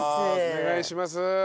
お願いします。